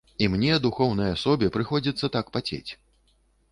І мне, духоўнай асобе, прыходзіцца так пацець.